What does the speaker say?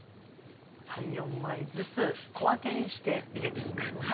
３４枚ずつ小分けにしてゆでていく。